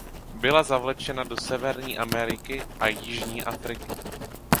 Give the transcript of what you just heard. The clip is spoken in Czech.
Byla zavlečena do Severní Ameriky a Jižní Afriky.